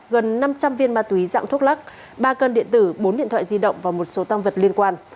gần năm trăm linh viên ma túy dạng thuốc lắc ba cân điện tử bốn điện thoại di động và một số tăng vật liên quan